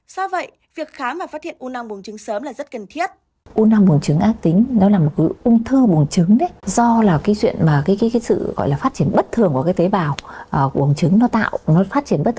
sao vậy việc khám và phát hiện u năng buồng trứng sớm là rất cần thiết